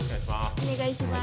お願いします。